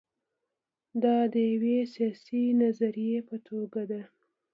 دا د یوې سیاسي نظریې په توګه ده.